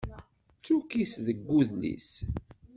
D tukkist deg udlis.